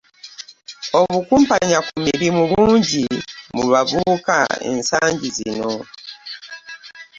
Obukumpanya ku mirimu bungi mu bavubuka ensangi zino.